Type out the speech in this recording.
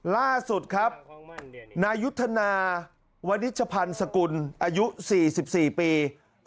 ล่าสุดครับนายุทธนาวนิชพันธ์สกุลอายุ๔๔ปี